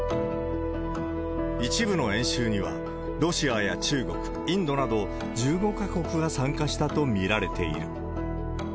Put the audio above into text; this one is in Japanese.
一部の演習には、ロシアや中国、インドなど１５か国が参加したと見られている。